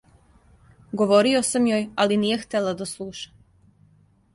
Говорио сам јој, али није хтела да слуша.